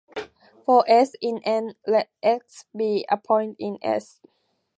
For "S" in "N", let "x" be a point in "S".